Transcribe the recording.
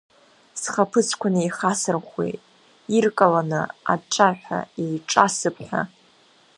Схаԥыцқәа неихасырӷәӷәеит, иркаланы аҿаҩҳәа сиҿасып ҳәа.